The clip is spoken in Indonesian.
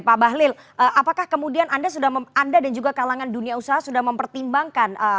pak bahlil apakah kemudian anda dan juga kalangan dunia usaha sudah mempertimbangkan